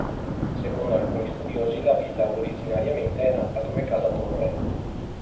Secondo alcuni studiosi la villa originariamente è nata come casa-torre.